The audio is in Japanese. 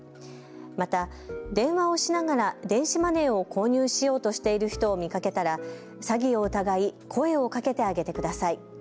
また電話をしながら電子マネーを購入しようとしている人を見かけたら詐欺を疑い声をかけてあげてください。